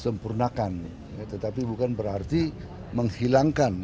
sempurnakan tetapi bukan berarti menghilangkan